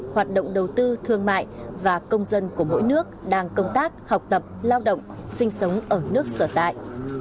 hoạt động đầu tư thương mại và công dân của mỗi nước đang công tác học tập lao động sinh sống ở nước sở tại